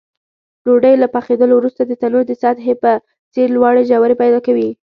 ډوډۍ له پخېدلو وروسته د تنور د سطحې په څېر لوړې ژورې پیدا کوي.